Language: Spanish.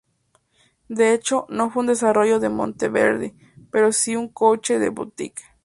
De hecho, no fue un desarrollo de Monteverdi, pero si un coche de boutique.